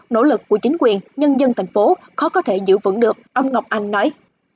nỗ lực của chính quyền nhân dân thành phố khó có thể giữ vững được ông ngọc anh nói